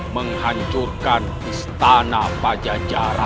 menghancurkan istana pajajara